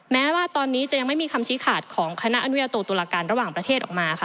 แม้ว่าตอนนี้จะยังไม่มีคำชี้ขาดของคณะอนุญาโตตุลาการระหว่างประเทศออกมาค่ะ